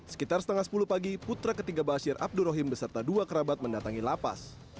sekitar setengah sepuluh pagi putra ketiga ba'asyir abdur rahim beserta dua kerabat mendatangi lapas